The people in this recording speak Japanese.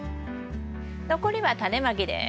残りはタネまきです。